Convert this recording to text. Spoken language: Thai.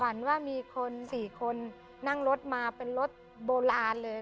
ว่ามีคน๔คนนั่งรถมาเป็นรถโบราณเลย